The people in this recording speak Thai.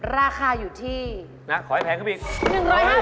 ราคาอยู่ที่ขอให้แพงขึ้นไปอีก